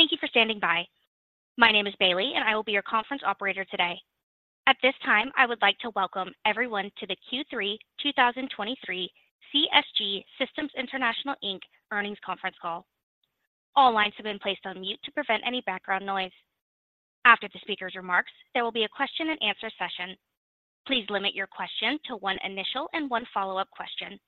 Thank you for standing by. My name is Bailey, and I will be your conference operator today. At this time, I would like to welcome everyone to the Q3 2023 CSG Systems International Inc. Earnings Conference Call. All lines have been placed on mute to prevent any background noise. After the speaker's remarks, there will be a question and answer session. Please limit your question to one initial and one follow-up question.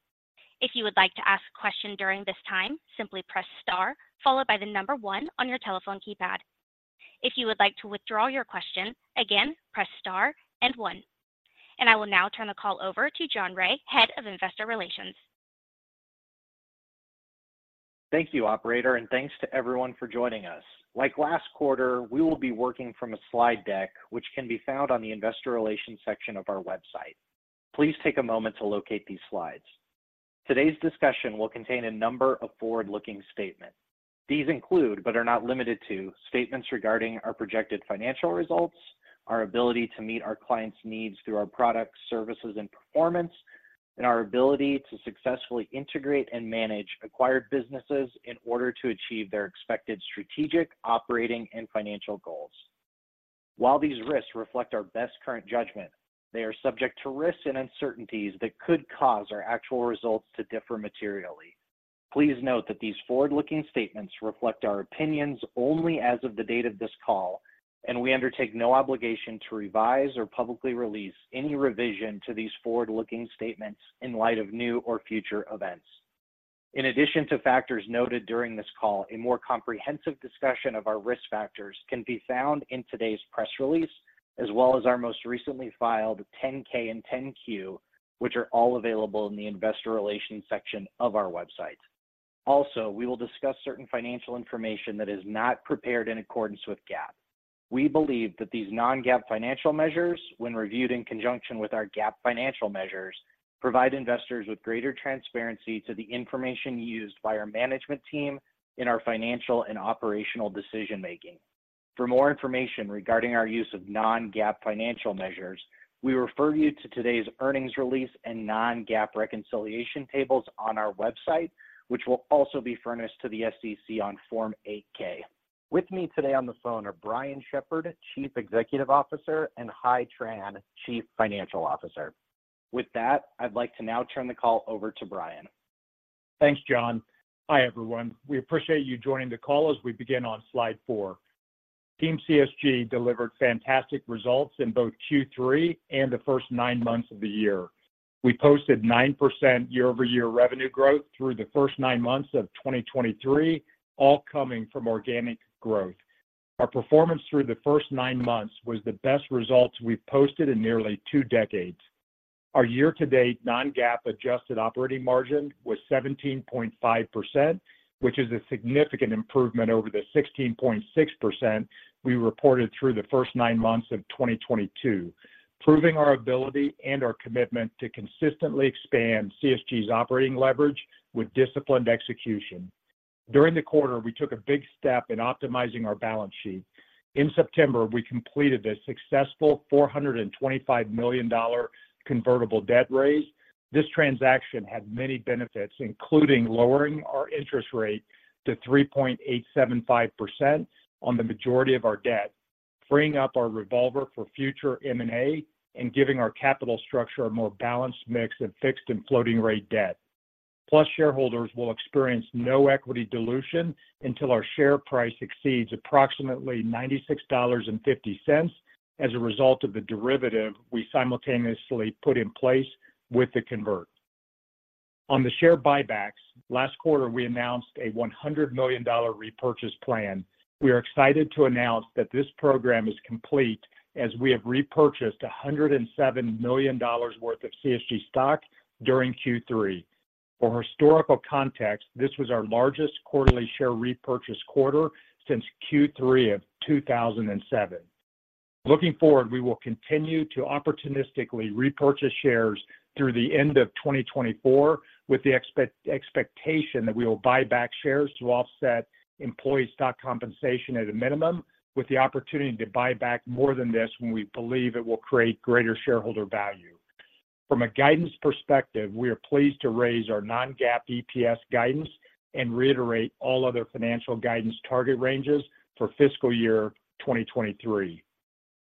If you would like to ask a question during this time, simply press star followed by the number one on your telephone keypad. If you would like to withdraw your question, again, press star and one. I will now turn the call over to John Wray, Head of Investor Relations. Thank you, operator, and thanks to everyone for joining us. Like last quarter, we will be working from a slide deck, which can be found on the Investor Relations section of our website. Please take a moment to locate these slides. Today's discussion will contain a number of forward-looking statements. These include, but are not limited to, statements regarding our projected financial results, our ability to meet our clients' needs through our products, services, and performance, and our ability to successfully integrate and manage acquired businesses in order to achieve their expected strategic, operating, and financial goals. While these risks reflect our best current judgment, they are subject to risks and uncertainties that could cause our actual results to differ materially. Please note that these forward-looking statements reflect our opinions only as of the date of this call, and we undertake no obligation to revise or publicly release any revision to these forward-looking statements in light of new or future events. In addition to factors noted during this call, a more comprehensive discussion of our risk factors can be found in today's press release, as well as our most recently filed 10-K and 10-Q, which are all available in the Investor Relations section of our website. Also, we will discuss certain financial information that is not prepared in accordance with GAAP. We believe that these non-GAAP financial measures, when reviewed in conjunction with our GAAP financial measures, provide investors with greater transparency to the information used by our management team in our financial and operational decision-making. For more information regarding our use of non-GAAP financial measures, we refer you to today's earnings release and non-GAAP reconciliation tables on our website, which will also be furnished to the SEC on Form 8-K. With me today on the phone are Brian Shepherd, Chief Executive Officer, and Hai Tran, Chief Financial Officer. With that, I'd like to now turn the call over to Brian. Thanks, John. Hi, everyone. We appreciate you joining the call as we begin on slide 4. Team CSG delivered fantastic results in both Q3 and the first nine months of the year. We posted 9% year-over-year revenue growth through the first nine months of 2023, all coming from organic growth. Our performance through the first nine months was the best results we've posted in nearly 2 decades. Our year-to-date non-GAAP adjusted operating margin was 17.5%, which is a significant improvement over the 16.6% we reported through the first nine months of 2022, proving our ability and our commitment to consistently expand CSG's operating leverage with disciplined execution. During the quarter, we took a big step in optimizing our balance sheet. In September, we completed a successful $425 million convertible debt raise. This transaction had many benefits, including lowering our interest rate to 3.875% on the majority of our debt, freeing up our revolver for future M&A, and giving our capital structure a more balanced mix of fixed and floating rate debt. Plus, shareholders will experience no equity dilution until our share price exceeds approximately $96.50 as a result of the derivative we simultaneously put in place with the convert. On the share buybacks, last quarter, we announced a $100 million repurchase plan. We are excited to announce that this program is complete as we have repurchased $107 million worth of CSG stock during Q3. For historical context, this was our largest quarterly share repurchase quarter since Q3 of 2007. Looking forward, we will continue to opportunistically repurchase shares through the end of 2024, with the expectation that we will buy back shares to offset employee stock compensation at a minimum, with the opportunity to buy back more than this when we believe it will create greater shareholder value. From a guidance perspective, we are pleased to raise our non-GAAP EPS guidance and reiterate all other financial guidance target ranges for fiscal year 2023.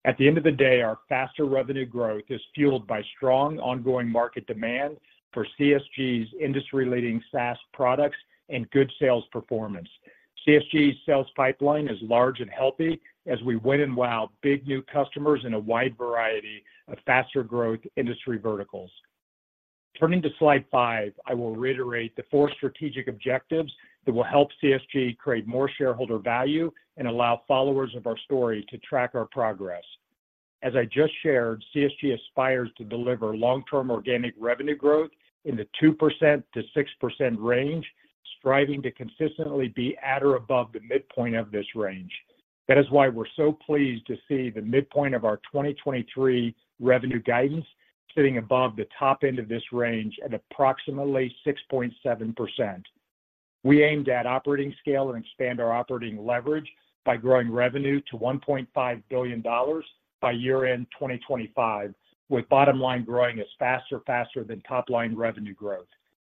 At the end of the day, our faster revenue growth is fueled by strong ongoing market demand for CSG's industry-leading SaaS products and good sales performance. CSG's sales pipeline is large and healthy as we win and wow big new customers in a wide variety of faster-growth industry verticals. Turning to Slide 5, I will reiterate the 4 strategic objectives that will help CSG create more shareholder value and allow followers of our story to track our progress. As I just shared, CSG aspires to deliver long-term organic revenue growth in the 2%-6% range, striving to consistently be at or above the midpoint of this range. That is why we're so pleased to see the midpoint of our 2023 revenue guidance sitting above the top end of this range at approximately 6.7%. We aimed at operating scale and expand our operating leverage by growing revenue to $1.5 billion by year-end 2025, with bottom line growing as faster, faster than top line revenue growth.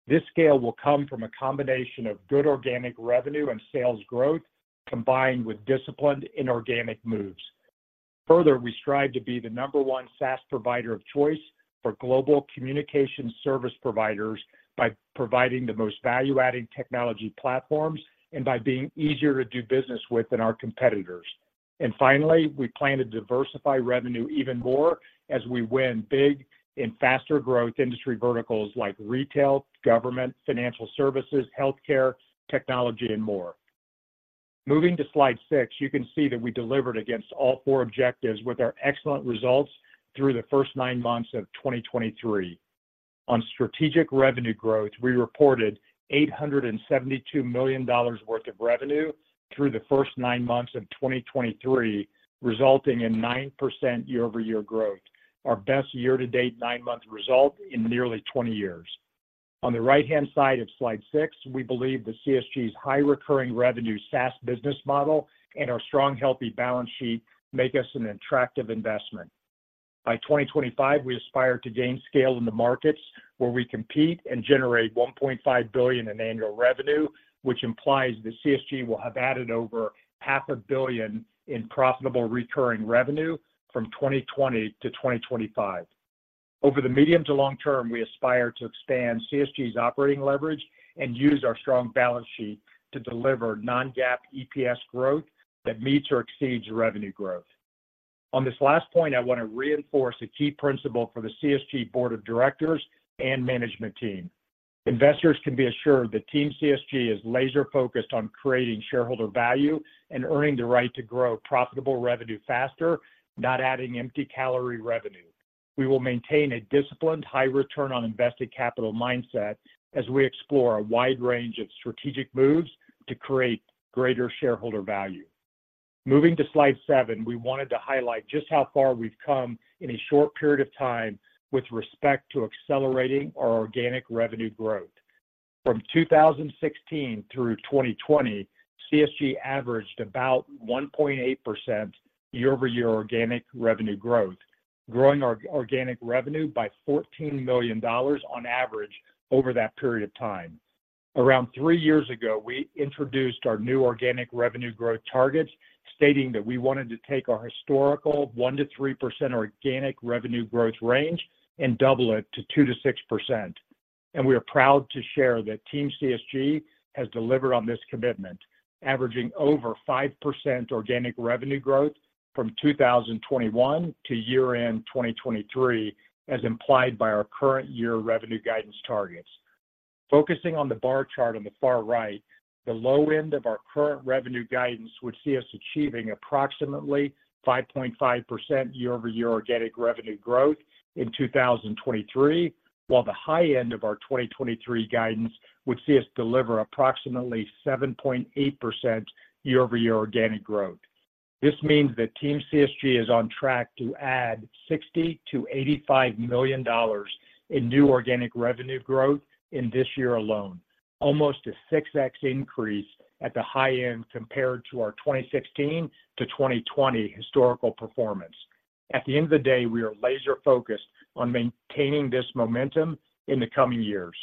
This scale will come from a combination of good organic revenue and sales growth, combined with disciplined inorganic moves. Further, we strive to be the number one SaaS provider of choice for global communication service providers by providing the most value-added technology platforms and by being easier to do business with than our competitors. And finally, we plan to diversify revenue even more as we win big in faster growth industry verticals like retail, government, financial services, healthcare, technology, and more. Moving to slide six, you can see that we delivered against all four objectives with our excellent results through the first nine months of 2023. On strategic revenue growth, we reported $872 million worth of revenue through the first nine months of 2023, resulting in 9% year-over-year growth, our best year-to-date nine-month result in nearly 20 years. On the right-hand side of slide six, we believe that CSG's high recurring revenue SaaS business model and our strong, healthy balance sheet make us an attractive investment. By 2025, we aspire to gain scale in the markets where we compete and generate $1.5 billion in annual revenue, which implies that CSG will have added over $500 million in profitable recurring revenue from 2020 to 2025. Over the medium to long term, we aspire to expand CSG's operating leverage and use our strong balance sheet to deliver non-GAAP EPS growth that meets or exceeds revenue growth. On this last point, I want to reinforce a key principle for the CSG Board of Directors and management team. Investors can be assured that Team CSG is laser-focused on creating shareholder value and earning the right to grow profitable revenue faster, not adding empty-calorie revenue. We will maintain a disciplined, high return on invested capital mindset as we explore a wide range of strategic moves to create greater shareholder value. Moving to slide seven, we wanted to highlight just how far we've come in a short period of time with respect to accelerating our organic revenue growth. From 2016 through 2020, CSG averaged about 1.8% year-over-year organic revenue growth, growing our organic revenue by $14 million on average over that period of time. Around three years ago, we introduced our new organic revenue growth targets, stating that we wanted to take our historical 1%-3% organic revenue growth range and double it to 2%-6%. We are proud to share that Team CSG has delivered on this commitment, averaging over 5% organic revenue growth from 2021 to year-end 2023, as implied by our current year revenue guidance targets. Focusing on the bar chart on the far right, the low end of our current revenue guidance would see us achieving approximately 5.5% year-over-year organic revenue growth in 2023, while the high end of our 2023 guidance would see us deliver approximately 7.8% year-over-year organic growth. This means that Team CSG is on track to add $60 million-$85 million in new organic revenue growth in this year alone, almost a 6x increase at the high end compared to our 2016 to 2020 historical performance. At the end of the day, we are laser-focused on maintaining this momentum in the coming years.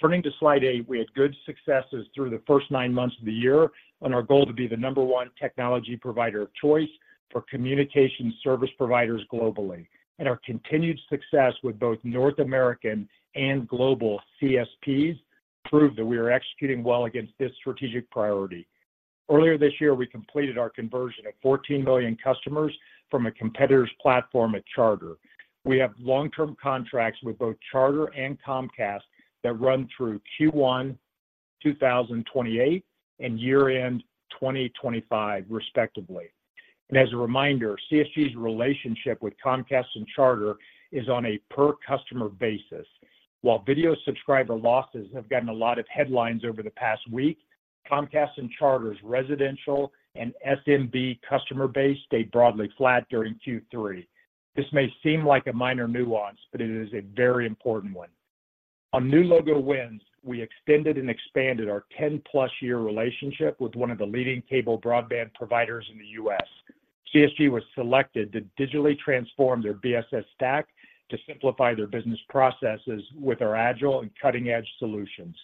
Turning to slide eight, we had good successes through the first nine months of the year on our goal to be the number one technology provider of choice for communication service providers globally. Our continued success with both North American and global CSPs prove that we are executing well against this strategic priority. Earlier this year, we completed our conversion of 14 million customers from a competitor's platform at Charter. We have long-term contracts with both Charter and Comcast that run through Q1 2028 and year-end 2025, respectively. As a reminder, CSG's relationship with Comcast and Charter is on a per-customer basis. While video subscriber losses have gotten a lot of headlines over the past week, Comcast and Charter's residential and SMB customer base stayed broadly flat during Q3. This may seem like a minor nuance, but it is a very important one. On new logo wins, we extended and expanded our ten-plus-year relationship with one of the leading cable broadband providers in the U.S. CSG was selected to digitally transform their BSS stack to simplify their business processes with our agile and cutting-edge solutions,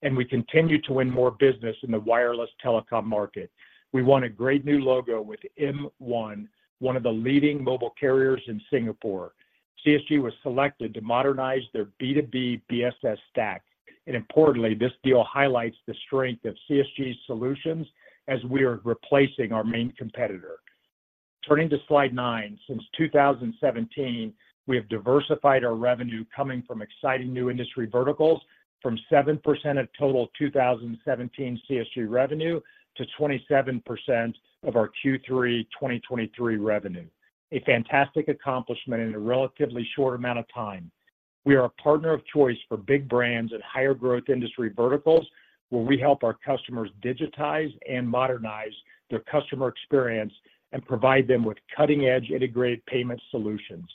and we continue to win more business in the wireless telecom market. We won a great new logo with M1, one of the leading mobile carriers in Singapore. CSG was selected to modernize their B2B BSS stack, and importantly, this deal highlights the strength of CSG's solutions as we are replacing our main competitor. Turning to slide nine, since 2017, we have diversified our revenue coming from exciting new industry verticals from 7% of total 2017 CSG revenue to 27% of our Q3 2023 revenue, a fantastic accomplishment in a relatively short amount of time. We are a partner of choice for big brands at higher growth industry verticals, where we help our customers digitize and modernize their customer experience and provide them with cutting-edge, integrated payment solutions.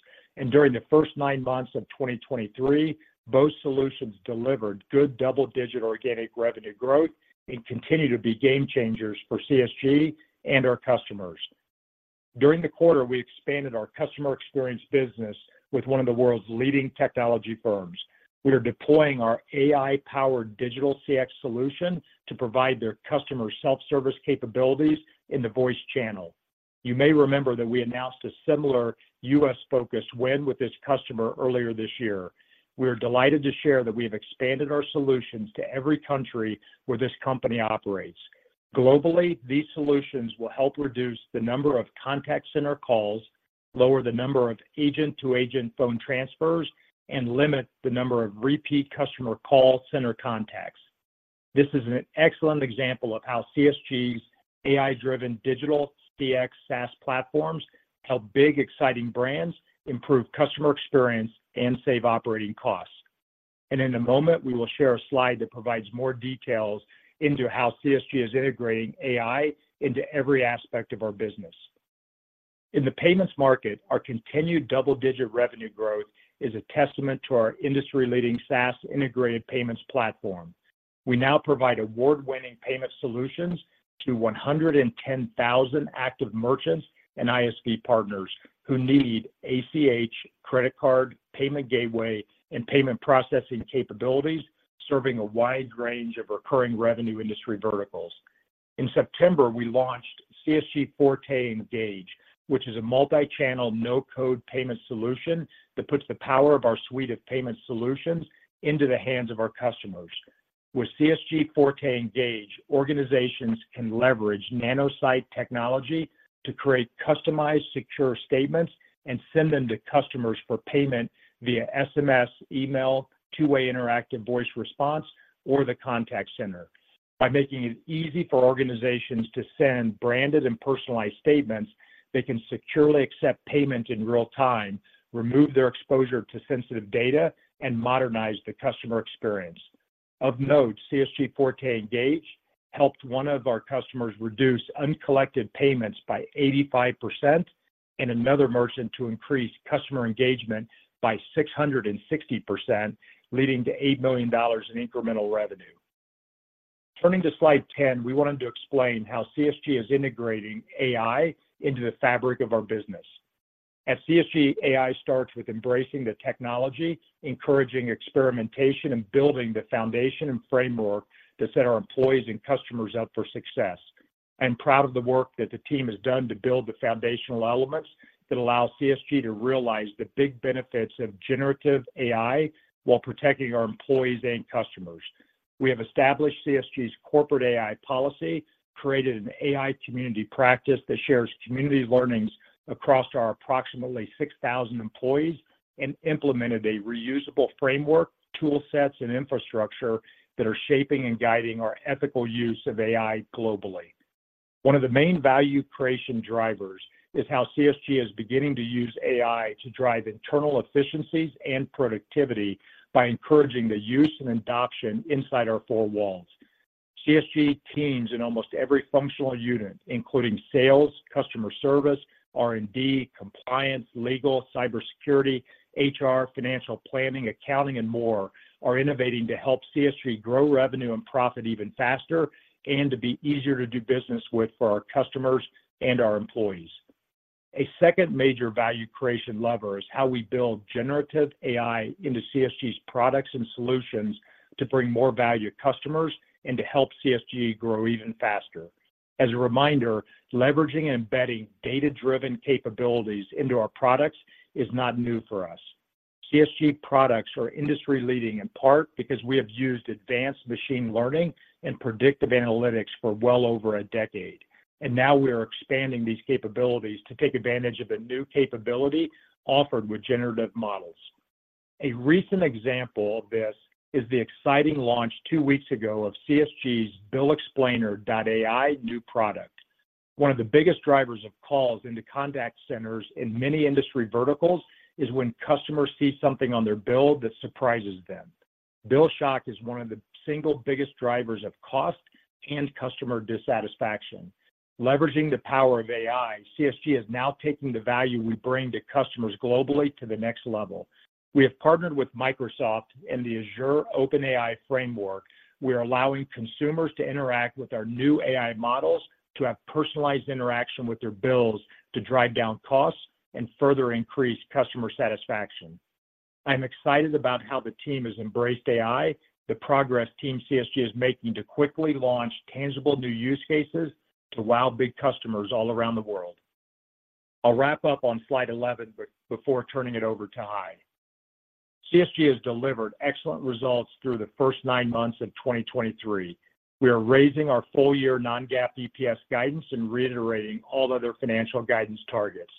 During the first nine months of 2023, both solutions delivered good double-digit organic revenue growth and continue to be game changers for CSG and our customers. During the quarter, we expanded our customer experience business with one of the world's leading technology firms. We are deploying our AI-powered digital CX solution to provide their customer self-service capabilities in the voice channel. You may remember that we announced a similar U.S.-focused win with this customer earlier this year. We are delighted to share that we have expanded our solutions to every country where this company operates. Globally, these solutions will help reduce the number of contact center calls, lower the number of agent-to-agent phone transfers, and limit the number of repeat customer call center contacts. This is an excellent example of how CSG's AI-driven digital CX SaaS platforms help big, exciting brands improve customer experience and save operating costs. In a moment, we will share a slide that provides more details into how CSG is integrating AI into every aspect of our business. In the payments market, our continued double-digit revenue growth is a testament to our industry-leading SaaS integrated payments platform. We now provide award-winning payment solutions to 110,000 active merchants and ISV partners who need ACH, credit card, payment gateway, and payment processing capabilities, serving a wide range of recurring revenue industry verticals. In September, we launched CSG Forte Engage, which is a multi-channel, no-code payment solution that puts the power of our suite of payment solutions into the hands of our customers. With CSG Forte Engage, organizations can leverage NanoSite technology to create customized, secure statements and send them to customers for payment via SMS, email, two-way interactive voice response, or the contact center. By making it easy for organizations to send branded and personalized statements, they can securely accept payment in real time, remove their exposure to sensitive data, and modernize the customer experience. Of note, CSG Forte Engage helped one of our customers reduce uncollected payments by 85% and another merchant to increase customer engagement by 660%, leading to $8 million in incremental revenue. Turning to slide 10, we wanted to explain how CSG is integrating AI into the fabric of our business. At CSG, AI starts with embracing the technology, encouraging experimentation, and building the foundation and framework to set our employees and customers up for success. I'm proud of the work that the team has done to build the foundational elements that allow CSG to realize the big benefits of generative AI while protecting our employees and customers. We have established CSG's corporate AI policy, created an AI community practice that shares community learnings across our approximately 6,000 employees, and implemented a reusable framework, toolsets, and infrastructure that are shaping and guiding our ethical use of AI globally. One of the main value creation drivers is how CSG is beginning to use AI to drive internal efficiencies and productivity by encouraging the use and adoption inside our four walls. CSG teams in almost every functional unit, including sales, customer service, R&D, compliance, legal, cybersecurity, HR, financial planning, accounting, and more, are innovating to help CSG grow revenue and profit even faster and to be easier to do business with for our customers and our employees. A second major value creation lever is how we build generative AI into CSG's products and solutions to bring more value to customers and to help CSG grow even faster. As a reminder, leveraging and embedding data-driven capabilities into our products is not new for us. CSG products are industry-leading in part because we have used advanced machine learning and predictive analytics for well over a decade, and now we are expanding these capabilities to take advantage of the new capability offered with generative models. A recent example of this is the exciting launch two weeks ago of CSG's Bill Explainer.AI new product. One of the biggest drivers of calls into contact centers in many industry verticals is when customers see something on their bill that surprises them. Bill shock is one of the single biggest drivers of cost and customer dissatisfaction. Leveraging the power of AI, CSG is now taking the value we bring to customers globally to the next level. We have partnered with Microsoft and the Azure OpenAI framework. We are allowing consumers to interact with our new AI models to have personalized interaction with their bills to drive down costs and further increase customer satisfaction. I'm excited about how the team has embraced AI, the progress Team CSG is making to quickly launch tangible new use cases to wow big customers all around the world. I'll wrap up on slide 11 before turning it over to Hai. CSG has delivered excellent results through the first nine months of 2023. We are raising our full-year non-GAAP EPS guidance and reiterating all other financial guidance targets.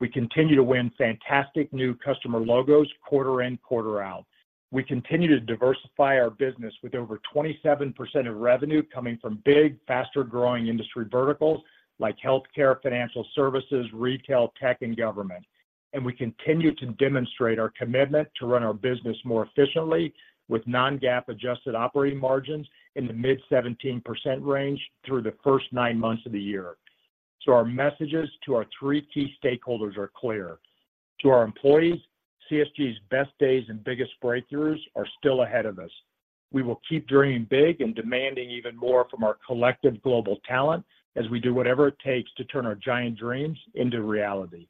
We continue to win fantastic new customer logos quarter in, quarter out. We continue to diversify our business with over 27% of revenue coming from big, faster-growing industry verticals like healthcare, financial services, retail, tech, and government. We continue to demonstrate our commitment to run our business more efficiently with non-GAAP adjusted operating margins in the mid-17% range through the first nine months of the year. So our messages to our three key stakeholders are clear: To our employees, CSG's best days and biggest breakthroughs are still ahead of us. We will keep dreaming big and demanding even more from our collective global talent as we do whatever it takes to turn our giant dreams into reality.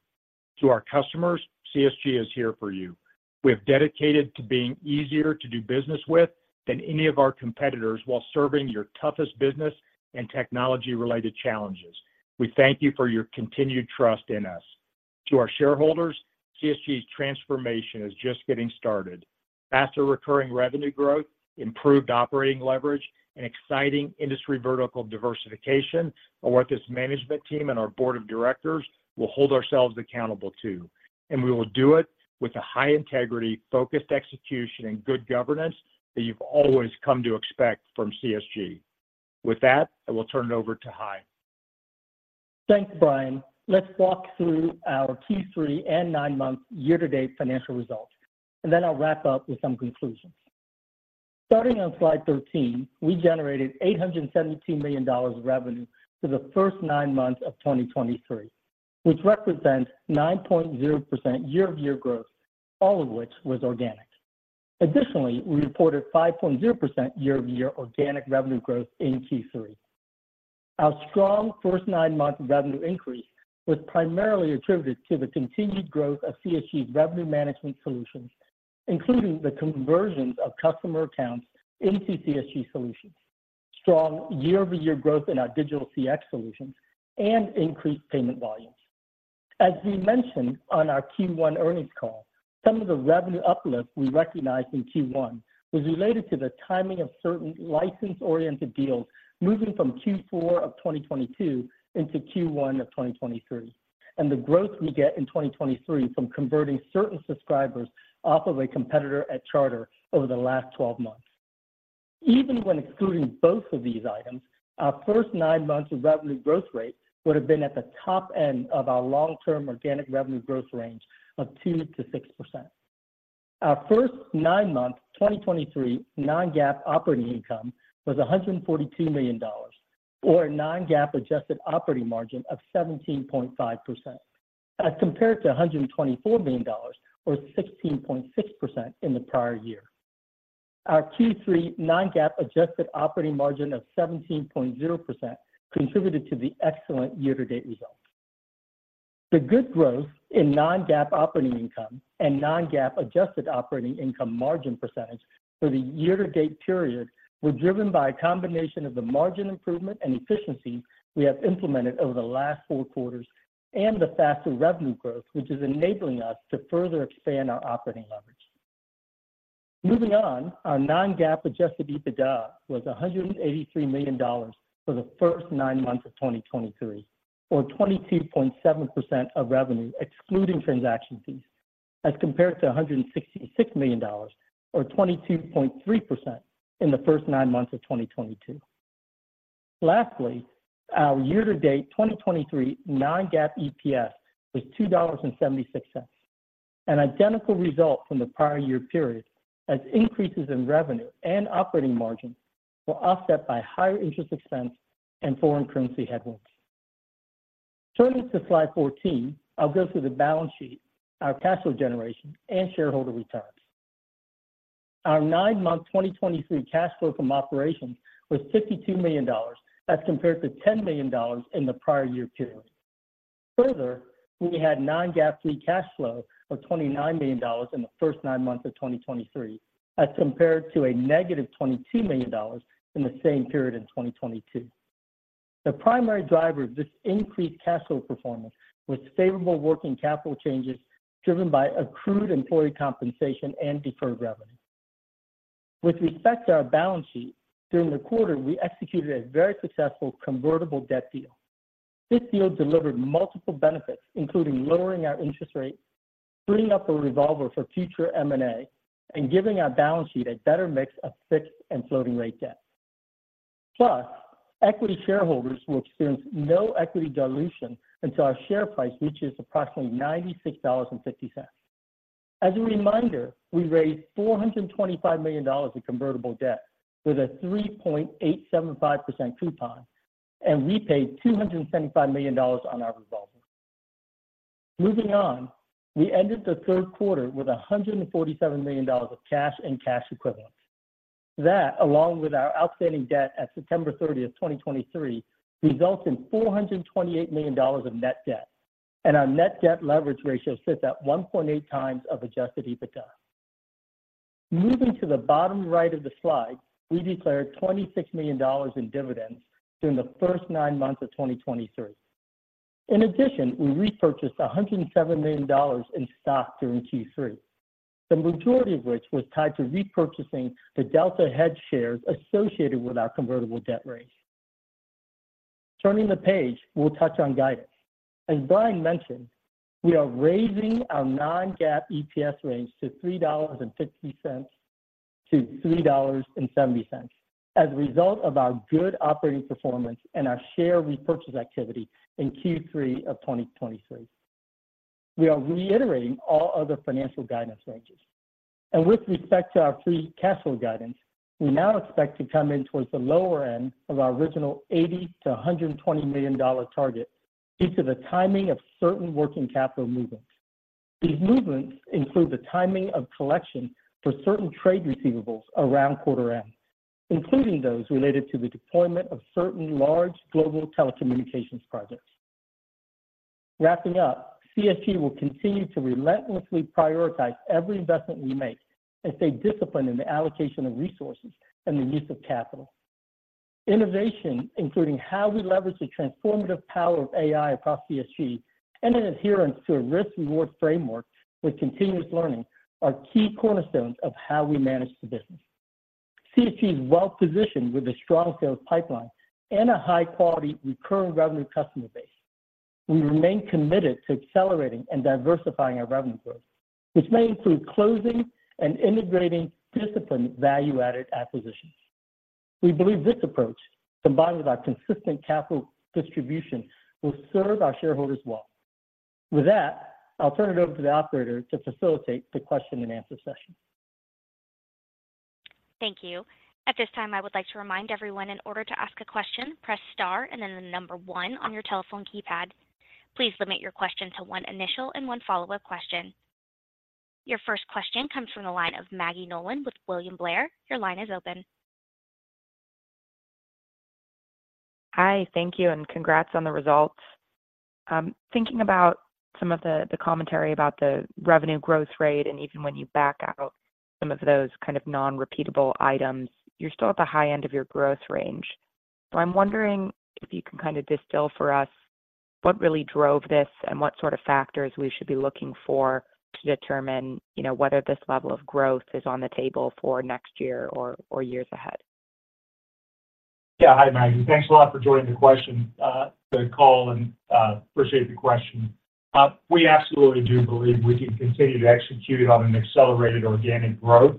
To our customers, CSG is here for you. We're dedicated to being easier to do business with than any of our competitors, while serving your toughest business and technology-related challenges. We thank you for your continued trust in us. To our shareholders, CSG's transformation is just getting started. Faster recurring revenue growth, improved operating leverage, and exciting industry vertical diversification are what this management team and our board of directors will hold ourselves accountable to, and we will do it with the high integrity, focused execution, and good governance that you've always come to expect from CSG. With that, I will turn it over to Hai. Thanks, Brian. Let's walk through our Q3 and nine month year-to-date financial results, and then I'll wrap up with some conclusions. Starting on slide 13, we generated $817 million of revenue for the first nine months of 2023, which represents 9.0% year-over-year growth, all of which was organic. Additionally, we reported 5.0% year-over-year organic revenue growth in Q3. Our strong first 9 months of revenue increase was primarily attributed to the continued growth of CSG's revenue management solutions, including the conversions of customer accounts into CSG solutions, strong year-over-year growth in our digital CX solutions, and increased payment volumes. As we mentioned on our Q1 earnings call, some of the revenue uplift we recognized in Q1 was related to the timing of certain license-oriented deals moving from Q4 of 2022 into Q1 of 2023, and the growth we get in 2023 from converting certain subscribers off of a competitor at Charter over the last 12 months. Even when excluding both of these items, our first nine months of revenue growth rate would have been at the top end of our long-term organic revenue growth range of 2%-6%. Our first 9-month 2023 non-GAAP operating income was $142 million, or a non-GAAP adjusted operating margin of 17.5%, as compared to $124 million, or 16.6% in the prior year. Our Q3 non-GAAP adjusted operating margin of 17.0% contributed to the excellent year-to-date results. The good growth in non-GAAP operating income and non-GAAP adjusted operating income margin percentage for the year-to-date period were driven by a combination of the margin improvement and efficiency we have implemented over the last four quarters, and the faster revenue growth, which is enabling us to further expand our operating leverage. Moving on, our non-GAAP adjusted EBITDA was $183 million for the first nine months of 2023, or 22.7% of revenue, excluding transaction fees, as compared to $166 million, or 22.3% in the first nine months of 2022. Lastly, our year-to-date 2023 non-GAAP EPS was $2.76, an identical result from the prior year period, as increases in revenue and operating margins were offset by higher interest expense and foreign currency headwinds. Turning to slide 14, I'll go through the balance sheet, our cash flow generation, and shareholder returns. Our nine-month 2023 cash flow from operations was $52 million, as compared to $10 million in the prior year period. Further, we had non-GAAP free cash flow of $29 million in the first nine months of 2023, as compared to a negative $22 million in the same period in 2022. The primary driver of this increased cash flow performance was favorable working capital changes, driven by accrued employee compensation and deferred revenue. With respect to our balance sheet, during the quarter, we executed a very successful convertible debt deal. This deal delivered multiple benefits, including lowering our interest rate, freeing up a revolver for future M&A, and giving our balance sheet a better mix of fixed and floating rate debt. Plus, equity shareholders will experience no equity dilution until our share price reaches approximately $96.50. As a reminder, we raised $425 million in convertible debt with a 3.875% coupon, and we paid $275 million on our revolver. Moving on, we ended the Q3 with $147 million of cash and cash equivalents. That, along with our outstanding debt at September 30th, 2023, results in $428 million of net debt, and our net debt leverage ratio sits at 1.8x adjusted EBITDA. Moving to the bottom right of the slide, we declared $26 million in dividends during the first nine months of 2022. In addition, we repurchased $107 million in stock during Q3, the majority of which was tied to repurchasing the delta hedge shares associated with our convertible debt raise. Turning the page, we'll touch on guidance. As Brian mentioned, we are raising our non-GAAP EPS range to $3.50-$3.70 as a result of our good operating performance and our share repurchase activity in Q3 of 2023. We are reiterating all other financial guidance ranges. With respect to our free cash flow guidance, we now expect to come in towards the lower end of our original $80-$120 million target due to the timing of certain working capital movements. These movements include the timing of collection for certain trade receivables around quarter end, including those related to the deployment of certain large global telecommunications projects. Wrapping up, CSG will continue to relentlessly prioritize every investment we make and stay disciplined in the allocation of resources and the use of capital. Innovation, including how we leverage the transformative power of AI across CSG and an adherence to a risk-reward framework with continuous learning, are key cornerstones of how we manage the business. CSG is well-positioned with a strong sales pipeline and a high-quality recurring revenue customer base. We remain committed to accelerating and diversifying our revenue growth, which may include closing and integrating disciplined value-added acquisitions. We believe this approach, combined with our consistent capital distribution, will serve our shareholders well. With that, I'll turn it over to the operator to facilitate the question and answer session. Thank you. At this time, I would like to remind everyone, in order to ask a question, press star and then the number one on your telephone keypad. Please limit your question to one initial and one follow-up question. Your first question comes from the line of Maggie Nolan with William Blair. Your line is open. Hi, thank you, and congrats on the results. Thinking about some of the commentary about the revenue growth rate, and even when you back out some of those kind of non-repeatable items, you're still at the high end of your growth range. I'm wondering if you can kind of distill for us what really drove this and what sort of factors we should be looking for to determine, you know, whether this level of growth is on the table for next year or years ahead? Yeah. Hi, Maggie. Thanks a lot for joining the question, the call, and appreciate the question. We absolutely do believe we can continue to execute on an accelerated organic growth.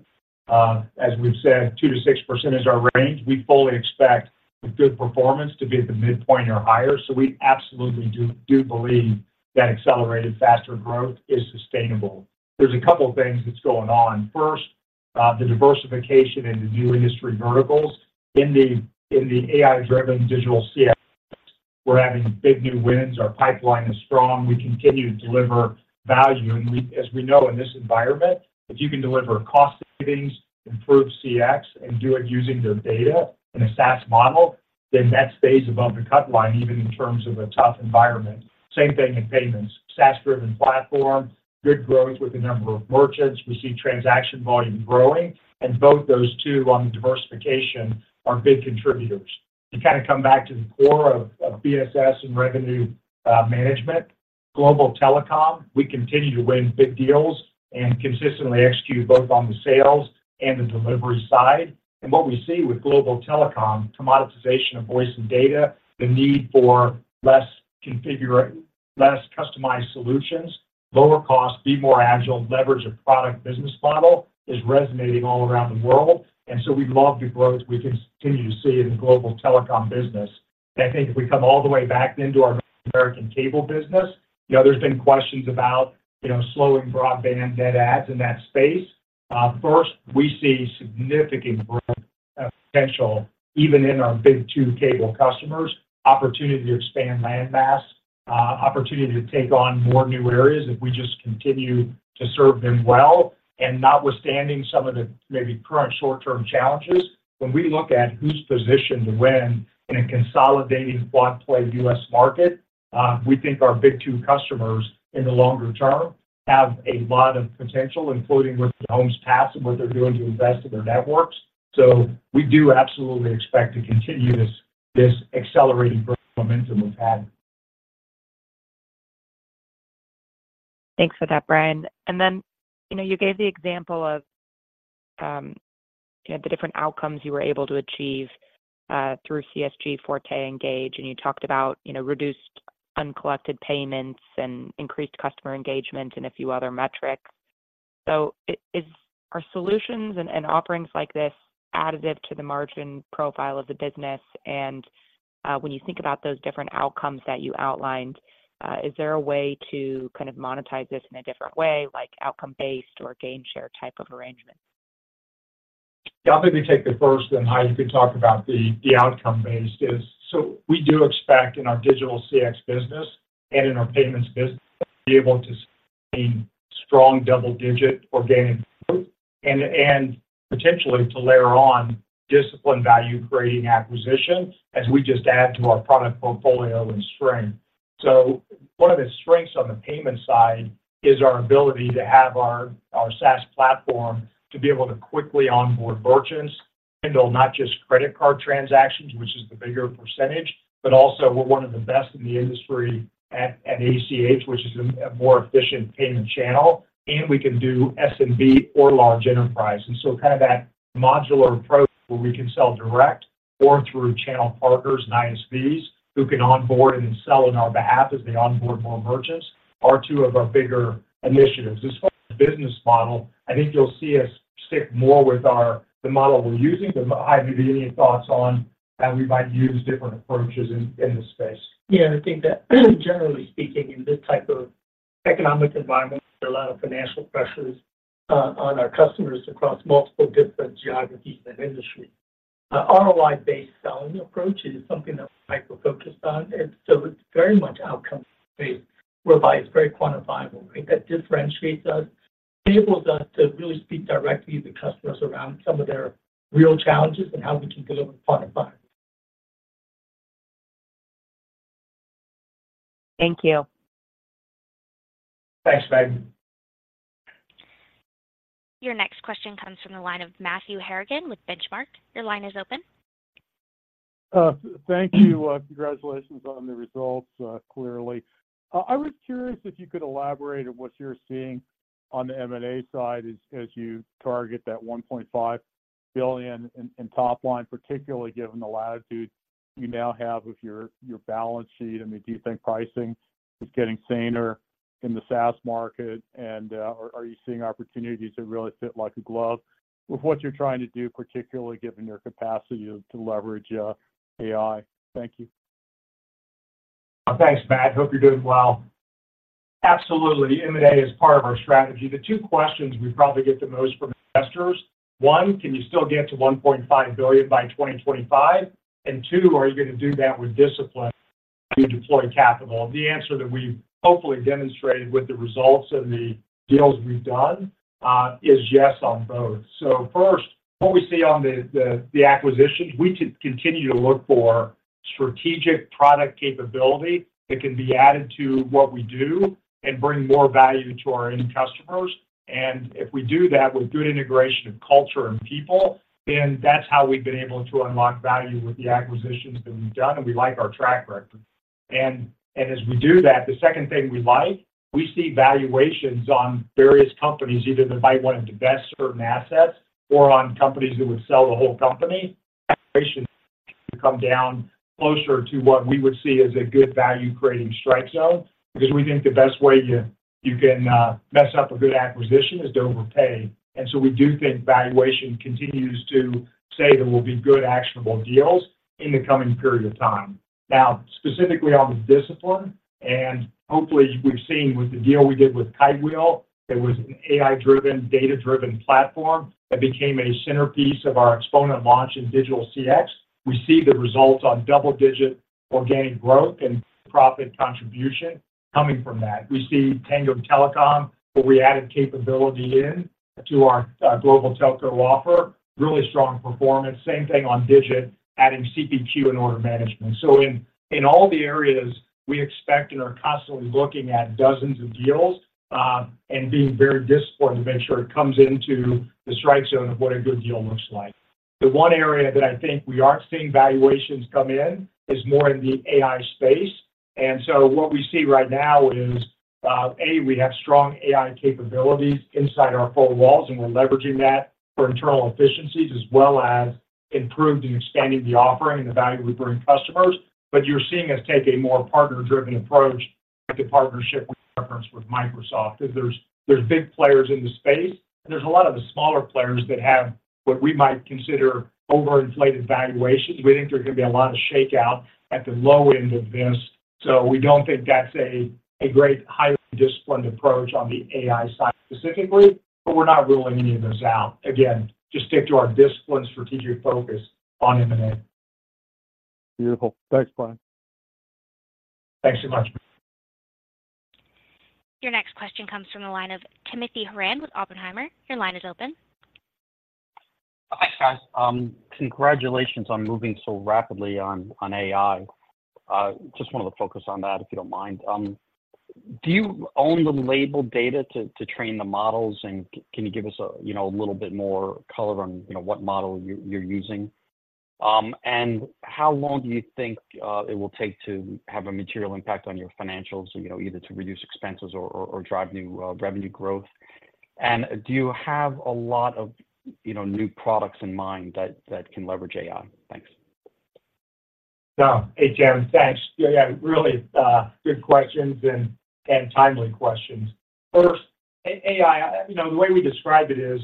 As we've said, 2%-6% is our range. We fully expect the good performance to be at the midpoint or higher, so we absolutely do, do believe that accelerated faster growth is sustainable. There's a couple of things that's going on. First, the diversification into new industry verticals. In the AI-driven digital CX, we're having big new wins. Our pipeline is strong. We continue to deliver value, and we, as we know, in this environment, if you can deliver cost savings, improve CX, and do it using their data in a SaaS model, then that stays above the cut line, even in terms of a tough environment. Same thing in payments. SaaS-driven platform, good growth with a number of merchants. We see transaction volume growing, and both those two on the diversification are big contributors. To kind of come back to the core of BSS and revenue management, Global Telecom, we continue to win big deals and consistently execute both on the sales and the delivery side. And what we see with Global Telecom, commoditization of voice and data, the need for less customized solutions, lower cost, be more agile, leverage a product business model, is resonating all around the world, and so we love the growth we continue to see in the Global Telecom business. I think if we come all the way back into our American cable business, you know, there's been questions about, you know, slowing broadband net adds in that space. First, we see significant growth potential, even in our big two cable customers, opportunity to expand land mass, opportunity to take on more new areas if we just continue to serve them well, and notwithstanding some of the maybe current short-term challenges. When we look at who's positioned to win in a consolidating quad-play U.S. market, we think our big two customers in the longer term have a lot of potential, including with the homes passed and what they're doing to invest in their networks. So we do absolutely expect to continue this accelerating growth momentum we've had. Thanks for that, Brian. And then, you know, you gave the example of, you know, the different outcomes you were able to achieve through CSG Forte Engage, and you talked about, you know, reduced uncollected payments and increased customer engagement and a few other metrics. So, are solutions and offerings like this additive to the margin profile of the business? And, when you think about those different outcomes that you outlined, is there a way to kind of monetize this in a different way, like outcome-based or gain share type of arrangement? Yeah, I'll maybe take the first, and Hai, you can talk about the, the outcome-based is, So we do expect in our digital CX business and in our payments business to be able to see strong double-digit organic growth and, and potentially to layer on disciplined value-creating acquisitions as we just add to our product portfolio and strength. So one of the strengths on the payment side is our ability to have our, our SaaS platform to be able to quickly onboard merchants, handle not just credit card transactions, which is the bigger percentage, but also we're one of the best in the industry at, at ACH, which is a more efficient payment channel, and we can do SMB or large enterprise. And so kind of that modular approach where we can sell direct or through channel partners and ISVs, who can onboard and sell on our behalf as they onboard more merchants, are two of our bigger initiatives. As far as business model, I think you'll see us stick more with our, the model we're using, but I have any thoughts on how we might use different approaches in, in this space? Yeah, I think that generally speaking, in this type of economic environment, there are a lot of financial pressures, on our customers across multiple different geographies and industries. ROI-based selling approach is something that we're hyper-focused on, and so it's very much outcome-based, whereby it's very quantifiable, right? That differentiates us, enables us to really speak directly to customers around some of their real challenges and how we can deliver quantifiable. Thank you. Thanks, Meggie. Your next question comes from the line of Matthew Harrigan with Benchmark. Your line is open. Thank you. Congratulations on the results, clearly. I was curious if you could elaborate on what you're seeing on the M&A side as you target that $1.5 billion in top line, particularly given the latitude you now have with your balance sheet. I mean, do you think pricing is getting saner in the SaaS market? And, are you seeing opportunities that really fit like a glove with what you're trying to do, particularly given your capacity to leverage AI? Thank you. Thanks, Matt. Hope you're doing well. Absolutely, M&A is part of our strategy. The two questions we probably get the most from investors, one, can you still get to $1.5 billion by 2025? And two, are you gonna do that with discipline as you deploy capital? The answer that we've hopefully demonstrated with the results of the deals we've done is yes on both. So first, what we see on the acquisitions, we continue to look for strategic product capability that can be added to what we do and bring more value to our end customers. And if we do that with good integration of culture and people, then that's how we've been able to unlock value with the acquisitions that we've done, and we like our track record. And, and as we do that, the second thing we like, we see valuations on various companies, either that might want to divest certain assets or on companies that would sell the whole company. Valuations come down closer to what we would see as a good value-creating strike zone because we think the best way you, you can, mess up a good acquisition is to overpay. And so we do think valuation continues to say there will be good, actionable deals in the coming period of time. Now, specifically on the discipline, and hopefully we've seen with the deal we did with Kitewheel, it was an AI-driven, data-driven platform that became a centerpiece of our Xponent launch in digital CX. We see the results on double-digit organic growth and profit contribution coming from that. We see Tango Telecom, where we added capability in to our, global telco offer. Really strong performance, same thing on DGIT, adding CPQ and order management. So in all the areas, we expect and are constantly looking at dozens of deals and being very disciplined to make sure it comes into the strike zone of what a good deal looks like. The one area that I think we aren't seeing valuations come in is more in the AI space. And so what we see right now is we have strong AI capabilities inside our four walls, and we're leveraging that for internal efficiencies as well as improving and expanding the offering and the value we bring customers. But you're seeing us take a more partner-driven approach, like the partnership we referenced with Microsoft. There's big players in the space, and there's a lot of the smaller players that have what we might consider overinflated valuations. We think there are gonna be a lot of shakeout at the low end of this, so we don't think that's a great highly disciplined approach on the AI side specifically, but we're not ruling any of those out. Again, just stick to our disciplined strategic focus on M&A. Beautiful. Thanks, Brian. Thanks so much. Your next question comes from the line of Timothy Horan with Oppenheimer. Your line is open. Thanks, guys. Congratulations on moving so rapidly on AI. Just wanted to focus on that, if you don't mind. Do you own the labeled data to train the models? And can you give us, you know, a little bit more color on, you know, what model you're using? And how long do you think it will take to have a material impact on your financials, you know, either to reduce expenses or drive new revenue growth? And do you have a lot of, you know, new products in mind that can leverage AI? Thanks. Yeah. Hey, Tim, thanks. Yeah, yeah, really good questions and timely questions. First, AI, you know, the way we describe it is,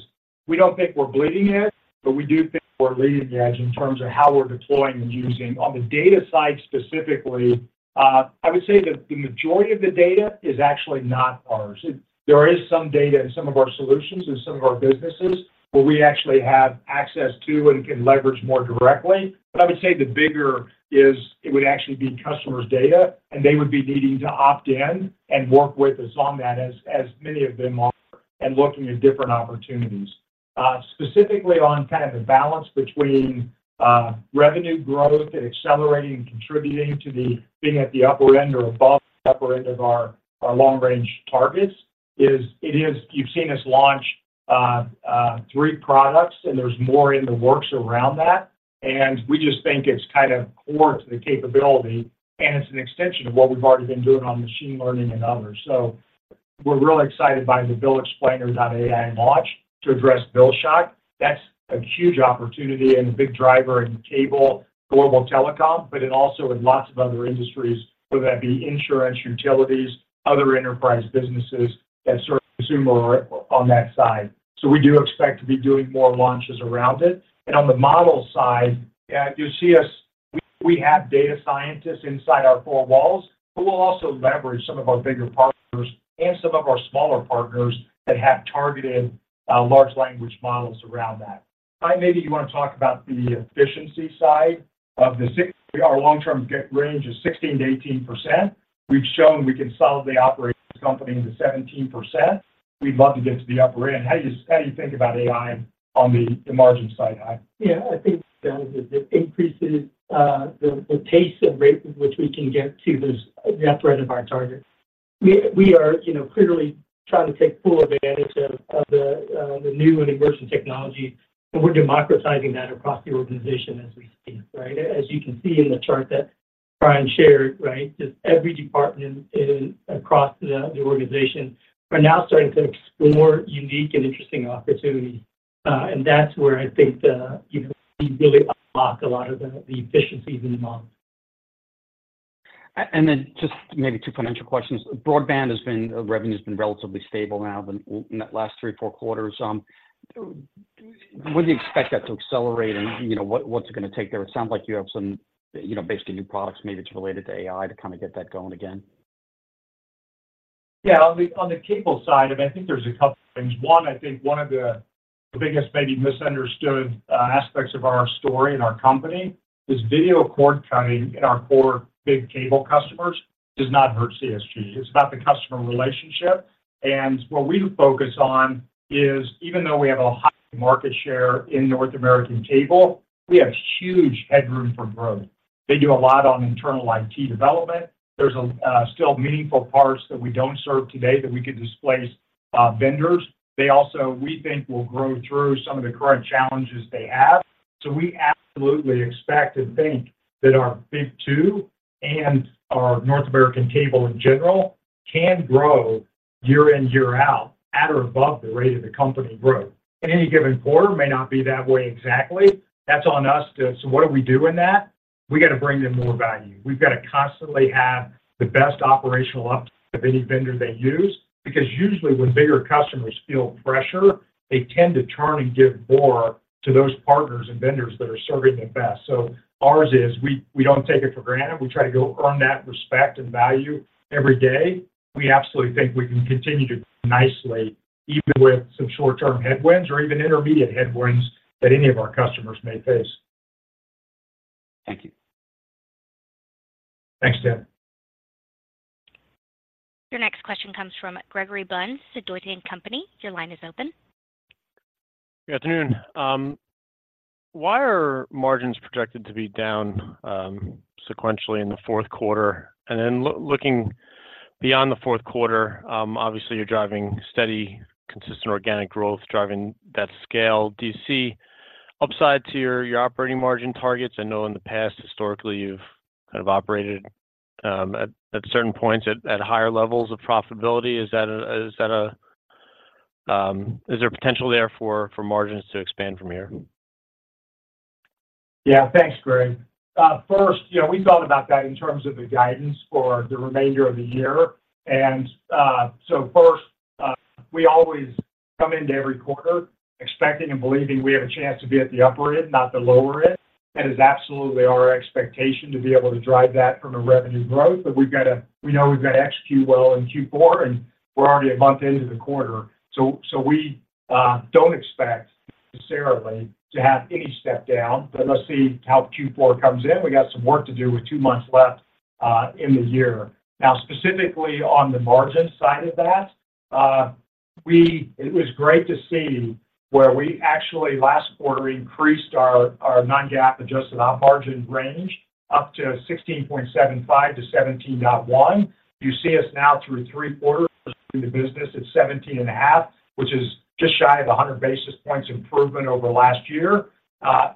we don't think we're bleeding edge, but we do think we're leading edge in terms of how we're deploying and using. On the data side, specifically, I would say that the majority of the data is actually not ours. There is some data in some of our solutions and some of our businesses where we actually have access to and can leverage more directly. But I would say the bigger is it would actually be customers' data, and they would be needing to opt in and work with us on that, as many of them are, and looking at different opportunities. Specifically on kind of the balance between revenue growth and accelerating and contributing to the being at the upper end or above the upper end of our long-range targets. You've seen us launch three products, and there's more in the works around that. And we just think it's kind of core to the capability, and it's an extension of what we've already been doing on machine learning and others. So we're really excited by the Bill Explainer.AI, that AI launch to address bill shock. That's a huge opportunity and a big driver in cable, global telecom, but it also in lots of other industries, whether that be insurance, utilities, other enterprise businesses that serve consumer on that side. So we do expect to be doing more launches around it. On the model side, as you see us, we have data scientists inside our four walls, but we'll also leverage some of our bigger partners and some of our smaller partners that have targeted large language models around that. Hai, maybe you want to talk about the efficiency side. Our long-term range is 16%-18%. We've shown we can solidly operate this company into 17%. We'd love to get to the upper end. How do you think about AI on the margin side, Hai? Yeah, I think that it increases the pace at rate at which we can get to this, the upper end of our target. We are, you know, clearly trying to take full advantage of the new and emerging technology, and we're democratizing that across the organization as we speak, right? As you can see in the chart that Brian shared, right, just every department across the organization are now starting to explore unique and interesting opportunities. And that's where I think the, you know, we really unlock a lot of the efficiencies involved. And then just maybe two financial questions. Broadband has been, revenue has been relatively stable now than in that last three or four quarters. Would you expect that to accelerate, and, you know, what, what's it going to take there? It sounds like you have some, you know, basically new products, maybe it's related to AI to kind of get that going again. Yeah, on the, on the cable side, I think there's a couple things. One, I think one of the biggest maybe misunderstood aspects of our story and our company is video cord cutting in our core big cable customers does not hurt CSG. It's about the customer relationship, and what we focus on is even though we have a high market share in North American cable, we have huge headroom for growth. They do a lot on internal IT development. There's still meaningful parts that we don't serve today that we could displace vendors. They also, we think, will grow through some of the current challenges they have. So we absolutely expect and think that our big two and our North American cable, in general, can grow year in, year out, at or above the rate of the company growth. In any given quarter, may not be that way exactly. That's on us. So what do we do in that? We got to bring them more value. We've got to constantly have the best operational up of any vendor they use, because usually when bigger customers feel pressure, they tend to turn and give more to those partners and vendors that are serving them best. So ours is we, we don't take it for granted. We try to go earn that respect and value every day. We absolutely think we can continue to nicely, even with some short-term headwinds or even intermediate headwinds that any of our customers may face. Thank you. Thanks, Tim. Your next question comes from Gregory Bunz, Deutsche Bank. Your line is open. Good afternoon. Why are margins projected to be down sequentially in the Q4? And then looking beyond the Q4, obviously, you're driving steady, consistent organic growth, driving that scale. Do you see upside to your operating margin targets? I know in the past, historically, you've kind of operated at certain points at higher levels of profitability. Is there potential there for margins to expand from here? Yeah. Thanks, Greg. First, you know, we thought about that in terms of the guidance for the remainder of the year. And, so first, we always come into every quarter expecting and believing we have a chance to be at the upper end, not the lower end. That is absolutely our expectation to be able to drive that from a revenue growth. But we've got to. We know we've got to execute well in Q4, and we're already a month into the quarter, so, so we don't expect necessarily to have any step down, but let's see how Q4 comes in. We got some work to do with two months left in the year. Now, specifically on the margin side of that, it was great to see where we actually, last quarter, increased our, our non-GAAP, adjusted our margin range up to 16.75%-17.1%. You see us now through three quarters through the business at 17.5%, which is just shy of 100 basis points improvement over last year.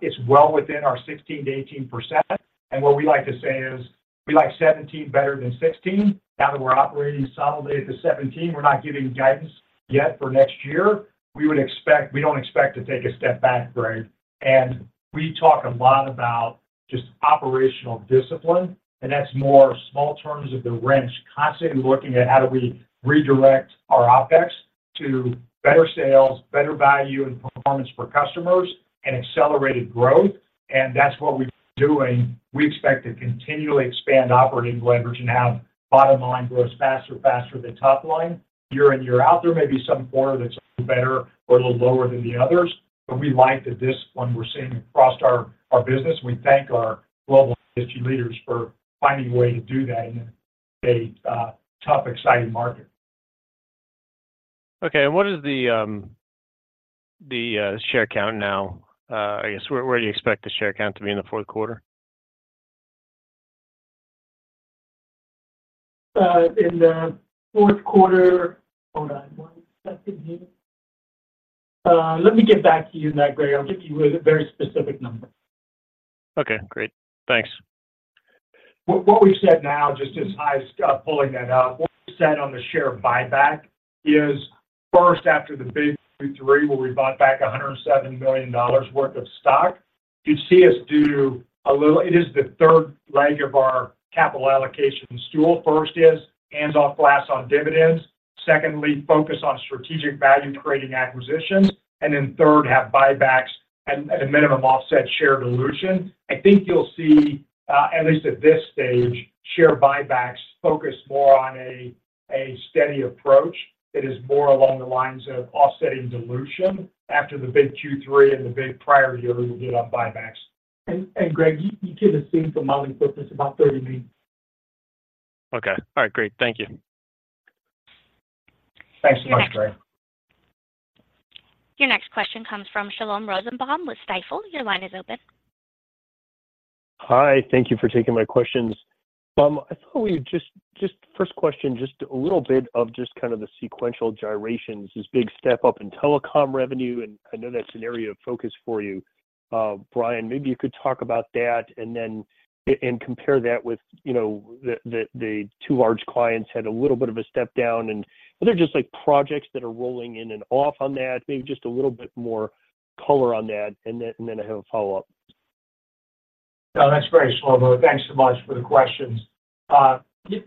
It's well within our 16%-18%, and what we like to say is, we like 17 better than 16. Now that we're operating solidly at the 17, we're not giving guidance yet for next year. We would expect-- We don't expect to take a step back, Greg. We talk a lot about just operational discipline, and that's more small terms of the wrench, constantly looking at how do we redirect our OpEx to better sales, better value and performance for customers, and accelerated growth, and that's what we're doing. We expect to continually expand operating leverage and have bottom line grows faster, faster than top line, year in, year out. There may be some quarter that's better or a little lower than the others, but we like that this one we're seeing across our, our business. We thank our global industry leaders for finding a way to do that in a tough, exciting market. Okay, and what is the share count now? I guess, where do you expect the share count to be in the Q4? In the Q4, Hold on one second. Let me get back to you on that, Greg. I'll get you a very specific number. Okay, great. Thanks. What we said now, just as I start pulling that out, what we said on the share buyback is first, after the big Q3, where we bought back $107 million worth of stock, you'd see us do a little. It is the third leg of our capital allocation stool. First is, hands off glass on dividends. Secondly, focus on strategic value-creating acquisitions, and then third, have buybacks at, at a minimum, offset share dilution. I think you'll see, at least at this stage, share buybacks focus more on a, a steady approach that is more along the lines of offsetting dilution after the big Q3 and the big prior year, we will get on buybacks. Greg, you can assume for modeling purposes about 30 million. Okay. All right, great. Thank you. Thanks so much, Greg. Your next question comes from Shlomo Rosenbaum with Stifel. Your line is open. Hi, thank you for taking my questions. I thought we would just first question, a little bit of kind of the sequential gyrations, this big step up in telecom revenue, and I know that's an area of focus for you. Brian, maybe you could talk about that and then compare that with, you know, the two large clients had a little bit of a step down, and are there just, like, projects that are rolling in and off on that? Maybe just a little bit more color on that, and then I have a follow-up. Oh, that's great, Shlomo. Thanks so much for the questions.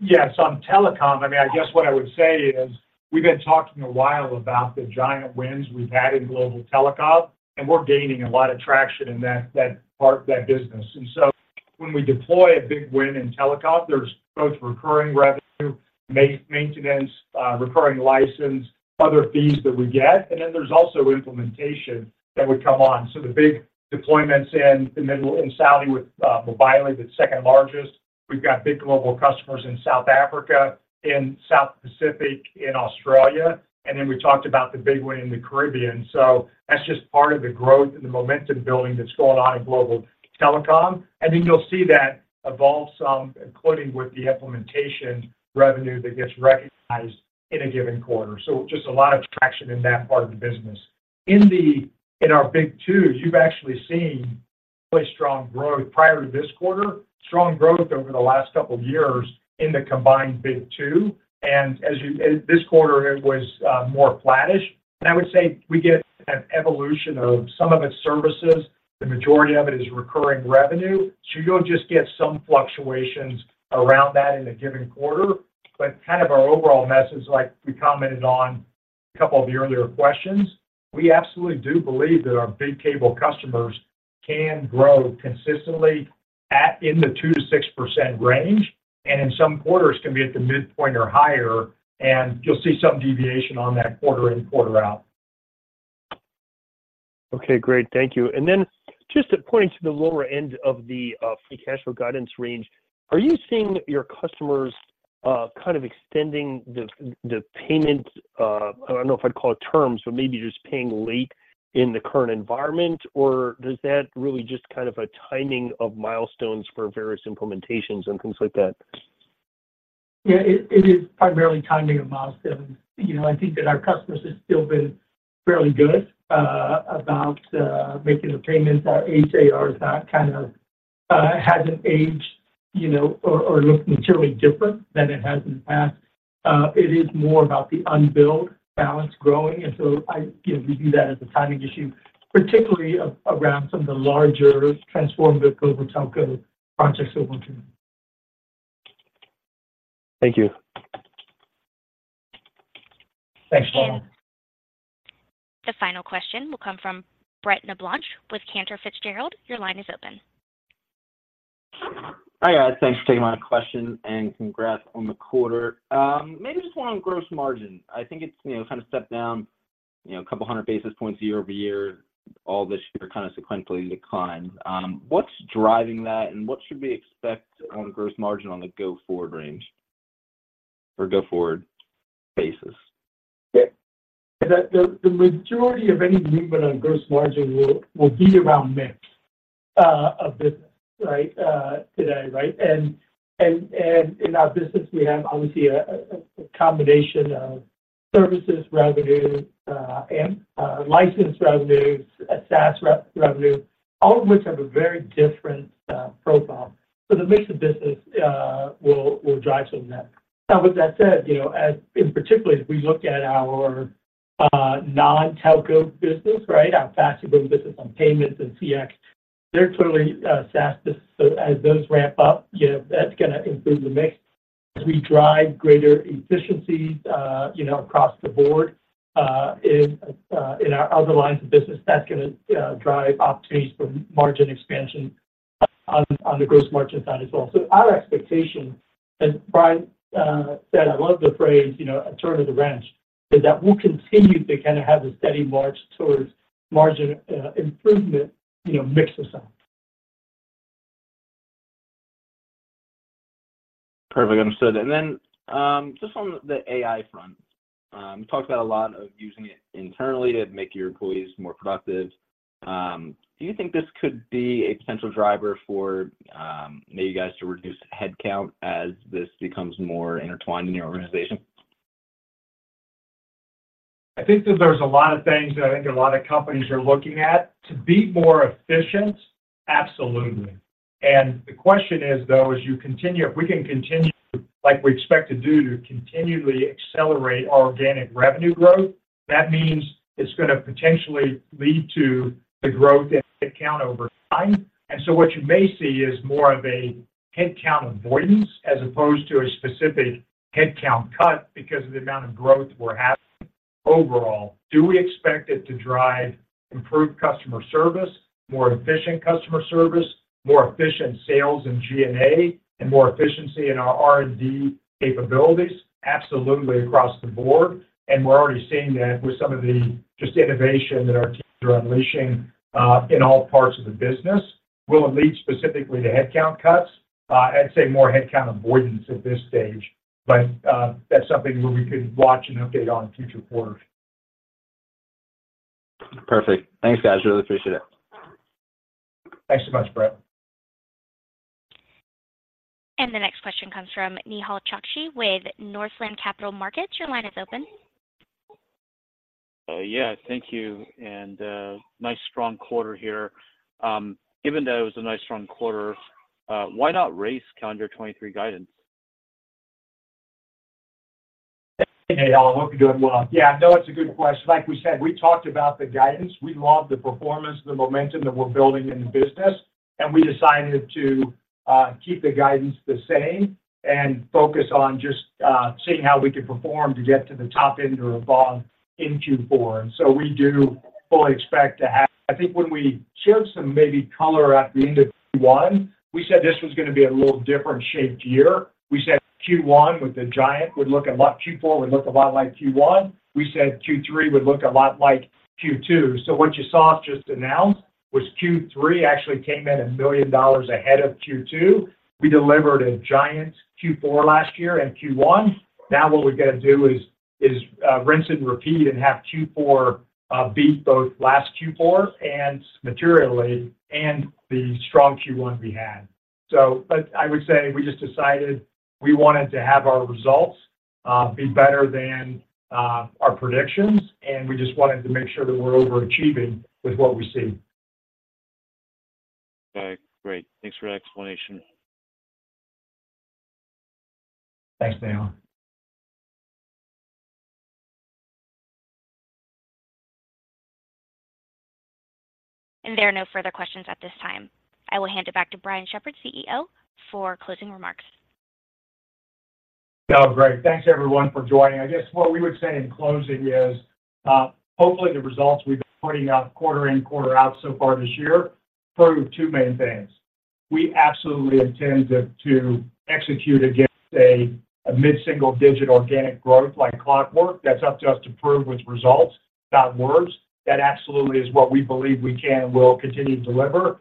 Yes, on telecom, I mean, I guess what I would say is we've been talking a while about the giant wins we've had in global telecom, and we're gaining a lot of traction in that part, that business. And so when we deploy a big win in telecom, there's both recurring revenue, maintenance, recurring license, other fees that we get, and then there's also implementation that would come on. So the big deployments in the Middle East, in Saudi with Mobily, the second largest. We've got big global customers in South Africa, in South Pacific, in Australia, and then we talked about the big win in the Caribbean. So that's just part of the growth and the momentum building that's going on in global telecom. Then you'll see that evolve some, including with the implementation revenue that gets recognized in a given quarter. So just a lot of traction in that part of the business. In our big two, you've actually seen really strong growth prior to this quarter, strong growth over the last couple of years in the combined big two, and this quarter, it was more flattish. And I would say we get an evolution of some of its services. The majority of it is recurring revenue, so you'll just get some fluctuations around that in a given quarter. But kind of our overall message, like we commented on a couple of the earlier questions, we absolutely do believe that our big cable customers can grow consistently at in the 2%-6% range, and in some quarters, can be at the midpoint or higher, and you'll see some deviation on that quarter in, quarter out. Okay, great. Thank you. And then just to point to the lower end of the, free cash flow guidance range, are you seeing your customers, kind of extending the, the payment, I don't know if I'd call it terms, but maybe just paying late in the current environment, or does that really just kind of a timing of milestones for various implementations and things like that? Yeah, it is primarily timing of milestones. You know, I think that our customers have still been fairly good about making the payments. Our AR has not kind of aged, you know, or looked materially different than it has in the past. It is more about the unbilled balance growing, and so, you know, we view that as a timing issue, particularly around some of the larger transform global telco projects that we're doing. Thank you. Thanks, Shlomo. The final question will come from Brett Knoblauch with Cantor Fitzgerald. Your line is open. Hi, guys. Thanks for taking my question, and congrats on the quarter. Maybe just one on gross margin. I think it's, you know, kind of stepped down, you know, a couple hundred basis points year-over-year, all this year, kind of sequentially declined. What's driving that, and what should we expect on gross margin on the go-forward range or go-forward basis? Yeah. The majority of any movement on gross margin will be around mix of business, right, today, right? And in our business, we have obviously a combination of services revenue and license revenue, SaaS revenue, all of which have a very different profile. So the mix of business will drive some of that. Now, with that said, you know, as in particularly, as we look at our non-telco business, right, our faster growing business on payments and CX, they're totally SaaS. So as those ramp up, you know, that's gonna improve the mix. As we drive greater efficiencies, you know, across the board in our other lines of business, that's gonna drive opportunities for margin expansion on the gross margin side as well. Our expectation, as Brian said, I love the phrase, you know, a turn of the wrench, is that we'll continue to kinda have a steady march towards margin improvement, you know, mix aside. Perfect, understood. And then, just on the AI front, you talked about a lot of using it internally to make your employees more productive. Do you think this could be a potential driver for, maybe you guys to reduce headcount as this becomes more intertwined in your organization? I think that there's a lot of things that I think a lot of companies are looking at. To be more efficient, absolutely. And the question is, though, as you continue, if we can continue, like we expect to do, to continually accelerate our organic revenue growth, that means it's gonna potentially lead to the growth in headcount over time. And so what you may see is more of a headcount avoidance as opposed to a specific headcount cut because of the amount of growth we're having overall. Do we expect it to drive improved customer service, more efficient customer service, more efficient sales and G&A, and more efficiency in our R&D capabilities? Absolutely, across the board, and we're already seeing that with some of the just innovation that our teams are unleashing, in all parts of the business. Will it lead specifically to headcount cuts? I'd say more headcount avoidance at this stage, but that's something where we could watch and update on in future quarters. Perfect. Thanks, guys. Really appreciate it. Thanks so much, Brett. The next question comes from Nehal Chokshi with Northland Capital Markets. Your line is open. Yeah, thank you, and nice strong quarter here. Given that it was a nice strong quarter, why not raise calendar 2023 guidance? Hey, Nehal, hope you're doing well. Yeah, no, it's a good question. Like we said, we talked about the guidance. We love the performance and the momentum that we're building in the business, and we decided to keep the guidance the same and focus on just seeing how we can perform to get to the top end or above in Q4. And so we do fully expect to have. I think when we gave some maybe color at the end of Q1, we said this was gonna be a little different shaped year. We said Q4 would look a lot like Q1. We said Q3 would look a lot like Q2. So what you saw us just announce was Q3 actually came in $1 million ahead of Q2. We delivered a giant Q4 last year and Q1. Now, what we've got to do is rinse and repeat and have Q4 beat both last Q4 materially and the strong Q1 we had. So but I would say we just decided we wanted to have our results be better than our predictions, and we just wanted to make sure that we're overachieving with what we see. Okay, great. Thanks for that explanation. Thanks, Nehal. There are no further questions at this time. I will hand it back to Brian Shepherd, CEO, for closing remarks. Oh, great. Thanks, everyone, for joining. I guess what we would say in closing is, hopefully, the results we've been putting up quarter in, quarter out so far this year prove two main things. We absolutely intend to execute against a mid-single digit organic growth like clockwork. That's up to us to prove with results, not words. That absolutely is what we believe we can and will continue to deliver.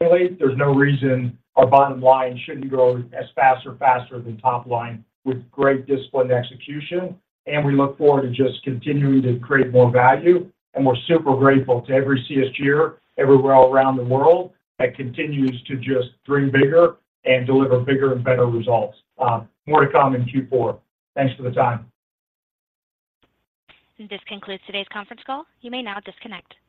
There's no reason our bottom line shouldn't grow as fast or faster than top line with great disciplined execution, and we look forward to just continuing to create more value. And we're super grateful to every CSG everywhere around the world that continues to just dream bigger and deliver bigger and better results. More to come in Q4. Thanks for the time. This concludes today's conference call. You may now disconnect.